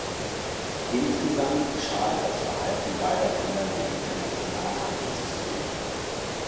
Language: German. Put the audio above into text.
Insgesamt schade das Verhalten beider Länder dem internationalen Handelssystem.